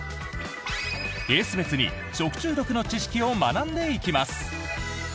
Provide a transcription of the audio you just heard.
ケース別に食中毒の知識を学んでいきます。